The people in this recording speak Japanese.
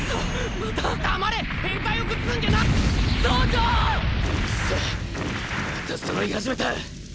またそろいはじめた。